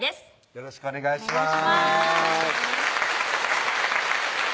よろしくお願いします